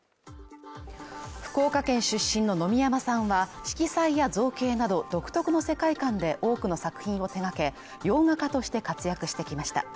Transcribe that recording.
福岡県出身の野見山さんは、色彩や造形など、独特の世界観で多くの作品を手がけ洋画家として活躍してきました。